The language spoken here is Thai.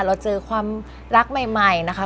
เราเจอความรักใหม่นะคะ